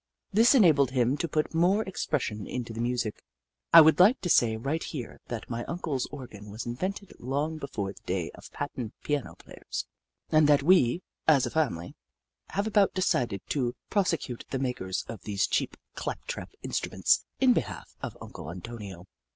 This enabled him to put more ex pression into the music. I would like to say right here that my Uncle's organ was invented long before the day of patent piano players, and that we, as a family, have about decided to prosecute the makers of these cheap, clap trap instruments, in behalf of Uncle Antonio.